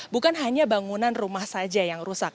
bukan hanya bangunan rumah saja yang rusak